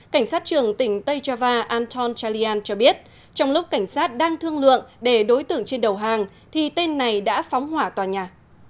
cảnh sát trưởng tỉnh tây java anton talian cho biết trong lúc cảnh sát đang thương lượng để đối tượng trên đầu hàng thì tên này đã phóng hỏa tòa nhà